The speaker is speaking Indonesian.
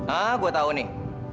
ah gue tau nih